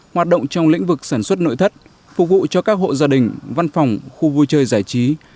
hoạt động trong lĩnh vực sản xuất nội thất phục vụ cho các hộ gia đình văn phòng khu vui chơi giải trí